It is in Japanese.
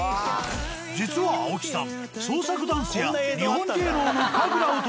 実は青木さん。